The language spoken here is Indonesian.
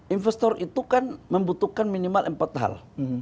investor itu kan membutuhkan minimal empat hal